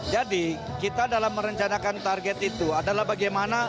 jadi kita dalam merencanakan target itu adalah bagaimana